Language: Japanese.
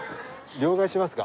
両替しますか？